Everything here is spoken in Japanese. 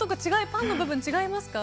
パンの部分、違いますか？